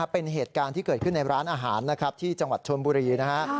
เป็นเหตุการณ์ที่เกิดขึ้นในร้านอาหารที่จังหวัดทวนบุรีนะครับ